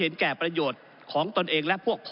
ก็ได้มีการอภิปรายในภาคของท่านประธานที่กรกครับ